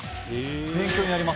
勉強になりますね。